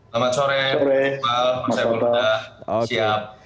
selamat sore mas seyful huda siap